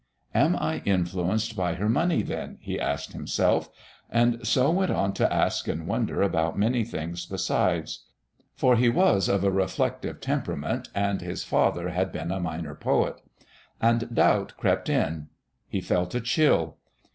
"Am I influenced by her money, then?" he asked himself ... and so went on to ask and wonder about many things besides, for he was of a reflective temperament and his father had been a minor poet. And Doubt crept in. He felt a chill.